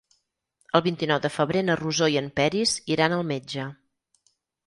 El vint-i-nou de febrer na Rosó i en Peris iran al metge.